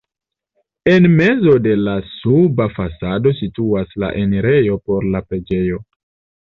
En mezo de la suba fasado situas la enirejo por la preĝejo.